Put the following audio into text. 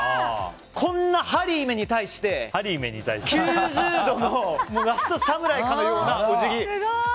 こんなハリーめに対して９０度のラストサムライかのようなお辞儀。